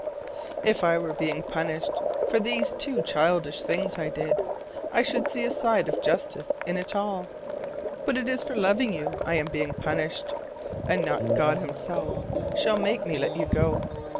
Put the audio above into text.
If I were being punished for these two childish things I did, I should see a side of justice in it all. But it is for loving you I am being punished: and not God himself shall make me let you go!